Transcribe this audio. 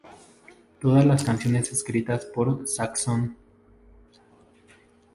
Todas las canciones escritas por Saxon